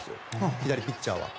左ピッチャーは。